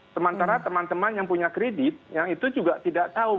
sementara teman teman yang punya kredit yang itu juga tidak tahu